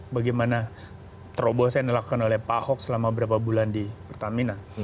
bagaimana terobosan yang dilakukan oleh pak ahok selama berapa bulan di pertamina